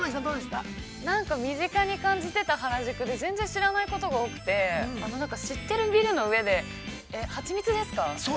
◆なんか身近に感じてた原宿で全然知らないことが多くて知っているビルの上で蜂蜜ですか？